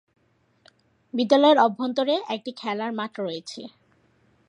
বিদ্যালয়ের অভ্যন্তরে একটি খেলার মাঠ রয়েছে।